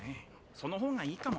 そのほうがいいかも。